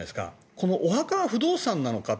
このお墓は不動産なのかって。